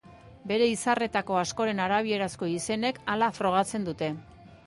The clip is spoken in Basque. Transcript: Bere izarretako askoren arabierazko izenek hala frogatzen dute.